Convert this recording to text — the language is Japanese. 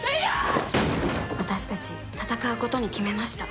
私たち、戦うことに決めました。